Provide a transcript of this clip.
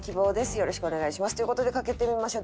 よろしくお願いします」という事でかけてみましょう。